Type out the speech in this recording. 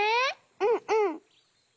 うんうん。